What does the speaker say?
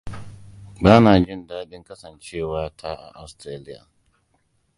Bana jin daɗin kasancewa ta a Austaralia.